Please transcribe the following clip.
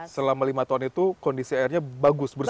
selama lima tahun itu kondisi airnya bagus bersih